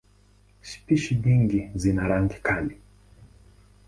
Spishi nyingi zina rangi kali.